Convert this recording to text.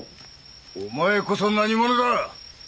お前こそ何者だ！？